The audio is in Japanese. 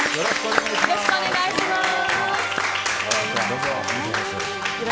よろしくお願いします。